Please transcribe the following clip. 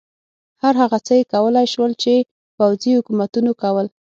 هر هغه څه یې کولای شول چې پوځي حکومتونو کول.